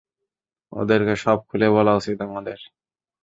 ওদেরকে সব খুলে বলা উচিত আমাদের।